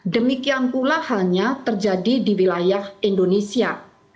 demikian pula halnya terjadi di wilayah indonesia